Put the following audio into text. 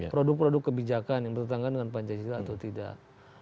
produk produk kebijakan yang bertentangan dengan pancasila atau tidak